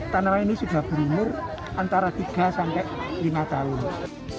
tanaman ini sudah berumur antara tiga sampai lima tahun